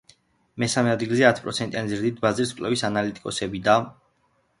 მესამე ადგილზე ათპროცენტიანი ზრდით ბაზრის კვლევის ანალიტიკოსები და მარკეტინგის სპეციალისტები არიან.